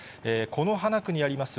此花区にあります